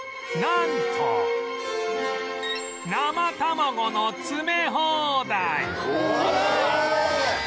なんと生卵の詰め放題